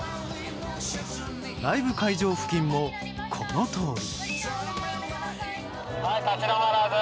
ライブ会場付近もこのとおり。